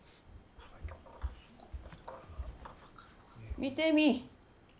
見てみい。